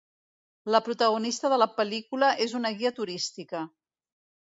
La protagonista de la pel·lícula és una guia turística.